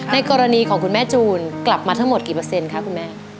ในกรณีของคุณแม่จูนกลับมาทั้งหมดกี่เปอร์เซ็นคะคุณแม่